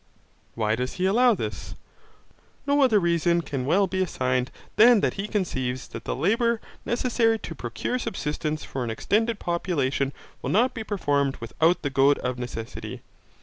Why does he allow this? No other reason can well be assigned than that he conceives that the labour necessary to procure subsistence for an extended population will not be performed without the goad of necessity.